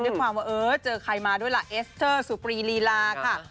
ด้วยความว่าเออเจอใครมาด้วยล่ะเอสเตอร์สุปรีลีลาค่ะ